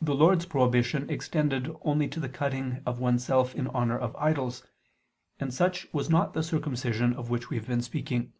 The Lord's prohibition extended only to the cutting of oneself in honor of idols: and such was not the circumcision of which we have been speaking.